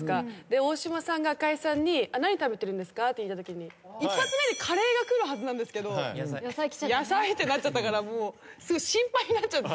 大島さんが赤井さんに「何食べてるんですか？」一発目でカレーがくるはずなんですけど「野菜」ってなっちゃったからすごい心配になっちゃって。